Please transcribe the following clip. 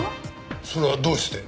それはどうして？